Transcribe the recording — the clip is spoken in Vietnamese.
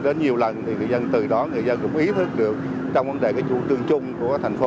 đến nhiều lần thì người dân từ đó người dân cũng ý thức được trong vấn đề cái trung trung của thành phố